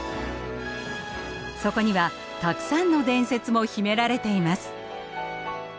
そこにはたくさんの伝説も秘められています。